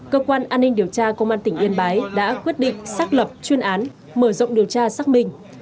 cơ quan an ninh điều tra công an tỉnh yên bái đã quyết định xác lập chuyên án mở rộng điều tra xác minh